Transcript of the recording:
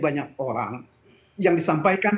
banyak orang yang disampaikan